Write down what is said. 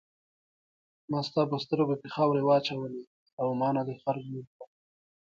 ما ستا په سترګو کې خاورې واچولې او ما نه دې خر جوړ کړ.